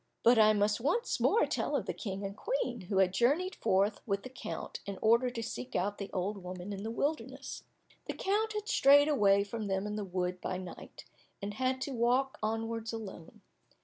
But I must once more tell of the King and Queen, who had journeyed forth with the count in order to seek out the old woman in the wilderness. The count had strayed away from them in the wood by night, and had to walk onwards alone.